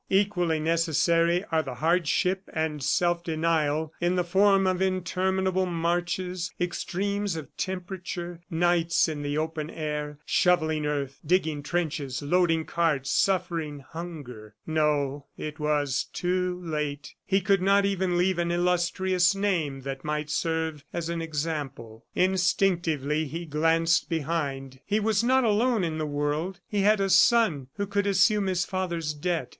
Equally necessary are the hardship and self denial in the form of interminable marches, extremes of temperature, nights in the open air, shoveling earth, digging trenches, loading carts, suffering hunger. ... No; it was too late. He could not even leave an illustrious name that might serve as an example. Instinctively he glanced behind. He was not alone in the world; he had a son who could assume his father's debt